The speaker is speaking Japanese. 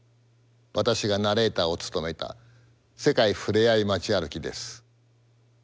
私がナレーターを務めた「世界ふれあい街歩き」です。